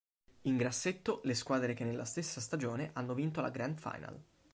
In grassetto le squadre che nella stessa stagione hanno vinto la Grand Final.